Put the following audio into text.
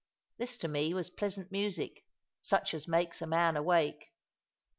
This to me was pleasant music, such as makes a man awake.